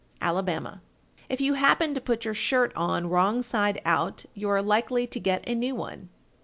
Alabama. 1383. If you happen to put your skirt on wrong side out, you are likely to get a new one.